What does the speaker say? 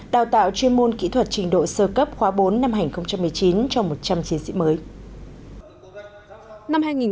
đào tạo chuyên môn kỹ thuật trình độ sơ cấp khóa bốn năm hai nghìn một mươi chín cho một trăm linh chiến sĩ mới